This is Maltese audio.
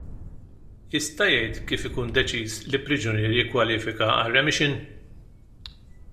Jista' jgħid kif ikun deċiż li priġunier jikkwalifika għar-remission?